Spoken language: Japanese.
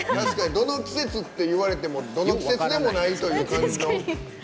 どの季節っていわれてもどの季節でもないという感じの。